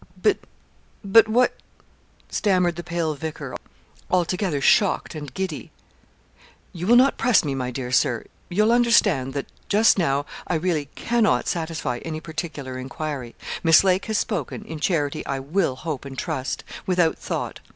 "' 'But but what' stammered the pale vicar, altogether shocked and giddy. 'You will not press me, my dear Sir; you'll understand that, just now, I really cannot satisfy any particular enquiry. Miss Lake has spoken, in charity I will hope and trust, without thought.